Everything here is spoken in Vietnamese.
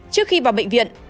trước khi vào bệnh viện